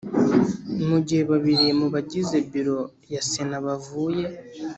Mu gihe babiri mu bagize biro ya sena bavuye